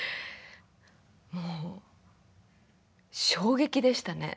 もう衝撃でしたね。